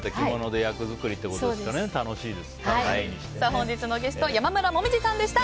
本日のゲスト山村紅葉さんでした。